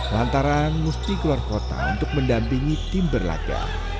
lantaran musti keluar kota untuk mendampingi tim berlaku